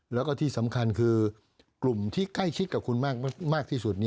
แล้วก็ที่สำคัญคือกลุ่มที่ใกล้ชิดกับคุณมากที่สุด